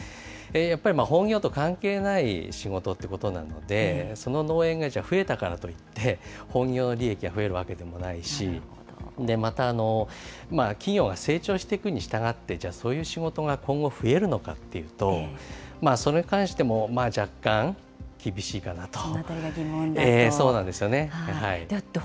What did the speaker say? やっぱり、本業と関係ない仕事っていうことなので、その農園がじゃあ、増えたからといって、本業の利益が増えるわけでもないし、また、企業が成長していくにしたがって、そういう仕事が今後、増えるのかというと、それに関しても、若干、厳しいかなと。